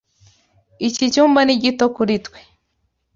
Iki cyumba ni gito kuri twe.